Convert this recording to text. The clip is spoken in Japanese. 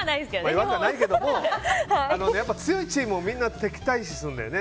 弱くはないけど強いチームをみんな敵対視するんだよね。